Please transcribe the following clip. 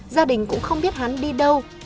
gia đình cũng không biết hắn đi đâu